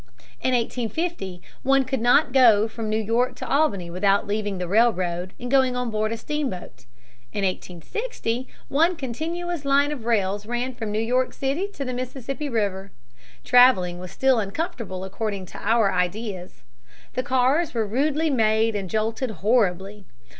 In 1850 one could not go from New York to Albany without leaving the railroad and going on board a steamboat. In 1860 one continuous line of rails ran from New York City to the Mississippi River. Traveling was still uncomfortable according to our ideas. The cars were rudely made and jolted horribly.